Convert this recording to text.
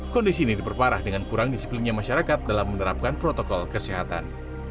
kondisi ini diperparah dengan kurang disiplinnya masyarakat dalam menerapkan protokol kesehatan